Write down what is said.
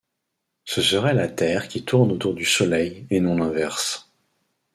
Ce serait la Terre qui tourne autour du soleil et non l'inverse.